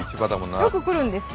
よく来るんですか？